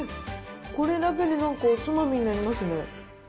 これだけでなんかおつまみになりますね。